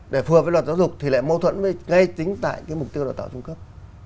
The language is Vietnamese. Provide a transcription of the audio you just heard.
để phù hợp với luật giáo dục thì lại mâu thuẫn với ngay tính tại cái mục tiêu đào tạo trung cấp